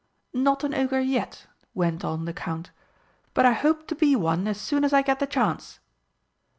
"Not an Ogre yet," went on the Count. "But I hope to be one as soon as I get the chance."